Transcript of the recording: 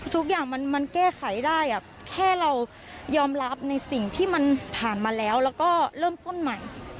ทุกอย่างมันแก้ไขได้แค่เรายอมรับในสิ่งที่มันผ่านมาแล้วแล้วก็เริ่มต้นใหม่